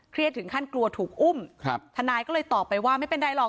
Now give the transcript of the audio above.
เครียดถึงขั้นกลัวถูกอุ้มธนายก็เลยตอบไปว่าไม่เป็นไรหรอก